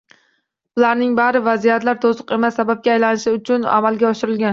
Bularning bari vaziyatlar to‘siq emas, sababga aylanishi uchun amalga oshirilgan